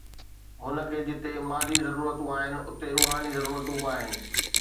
هن کي جتي مادي ضرورتون آهن، اتي روحاني ضرورتون به آهن.